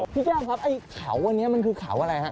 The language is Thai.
แก้วครับไอ้เขาอันนี้มันคือเขาอะไรฮะ